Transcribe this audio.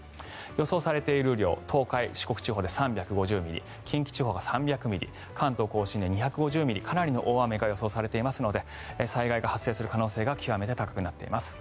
予想されている雨量東海、四国地方で３５０ミリ近畿地方が３００ミリ関東・甲信で２５０ミリかなり大雨が予想されていますので災害が発生する可能性が極めて高くなっています。